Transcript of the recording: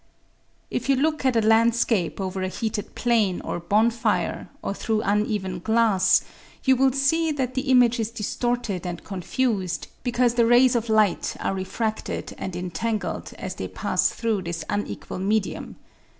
If you look at a landscape over a heated plain or bonfire or through uneven glass you will see that the image is distorted and confused because the rays of light are refracted and entangled as they pass through this unequal medium.